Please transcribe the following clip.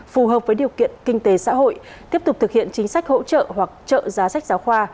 phù hợp với điều kiện kinh tế xã hội tiếp tục thực hiện chính sách hỗ trợ hoặc trợ giá sách giáo khoa